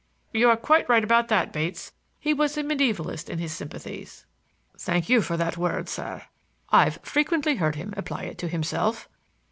"You are quite right about that, Bates. He was a medievalist in his sympathies." "Thank you for that word, sir; I've frequently heard him apply it to himself.